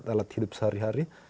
terus alat hidup sehari hari